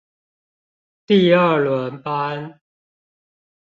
第二輪班